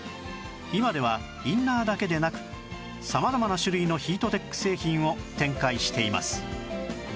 今ではインナーだけでなく様々な種類のヒートテック製品を展開しています